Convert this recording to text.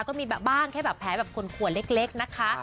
ก็บ้างแผลแค่เดียวคนขัวเล็กนะคะ